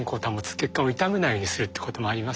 血管を傷めないようにするってこともあります